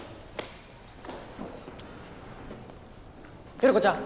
頼子ちゃん